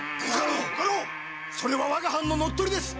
それは我が藩の乗っ取りです。